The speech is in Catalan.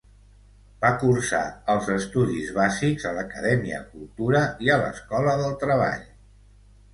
Va cursar els estudis bàsics a l'Acadèmia Cultura i a l'Escola del Treball.